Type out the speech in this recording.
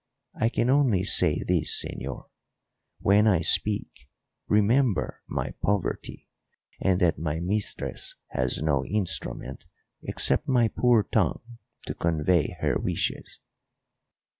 I can only say this, señor; when I speak, remember my poverty and that my mistress has no instrument except my poor tongue to convey her wishes.